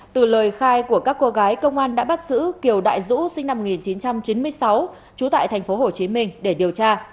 từ lời khai của các cô gái công an đã bắt giữ kiều đại dũ sinh năm một nghìn chín trăm chín mươi sáu trú tại tp hcm để điều tra